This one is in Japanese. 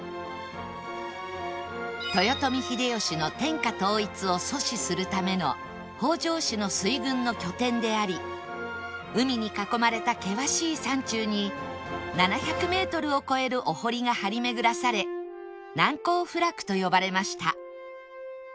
豊臣秀吉の天下統一を阻止するための北条氏の水軍の拠点であり海に囲まれた険しい山中に７００メートルを超えるお堀が張り巡らされ難攻不落と呼ばれました